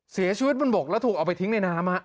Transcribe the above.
เสียชีวิตบนบกแล้วถูกเอาไปทิ้งในน้ำ